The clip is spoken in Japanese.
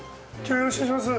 よろしくお願いします。